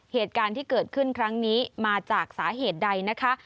เหตุการณ์ที่เกิดขึ้นครั้งนี้มาจากสาเหตุใดนะคะ